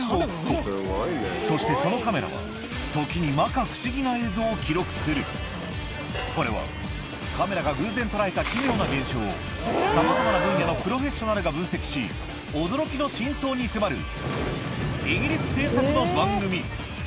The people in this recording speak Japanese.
およそそしてそのカメラは時に摩訶不思議な映像を記録するこれはカメラが偶然捉えた奇妙な現象をさまざまな分野のプロフェッショナルが分析し驚きの真相に迫るイギリス制作の番組